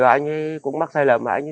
anh ấy cũng mắc sai lầm anh ấy đứng dậy